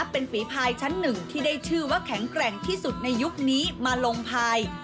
เป็นฝีภายชั้นหนึ่งที่ได้ชื่อว่าแข็งแกร่งที่สุดในยุคนี้มาลงพาย